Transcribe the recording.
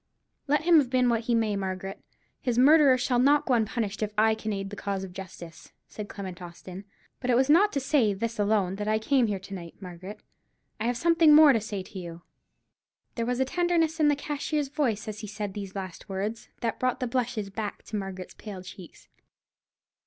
"Let him have been what he may, Margaret, his murderer shall not go unpunished if I can aid the cause of justice," said Clement Austin. "But it was not to say this alone that I came here to night, Margaret. I have something more to say to you." There was a tenderness in the cashier's voice as he said these last words, that brought the blushes back to Margaret's pale cheeks.